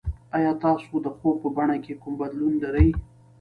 ایا تاسو د خوب په بڼه کې کوم بدلون لرئ؟